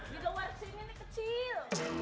di luar sini ini kecil